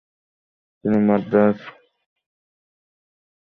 তিনি মাদ্রাজ মিউজিক অ্যাকাডেমির সংগীত কলানিধি পুরস্কার পান।